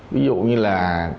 ví dụ như là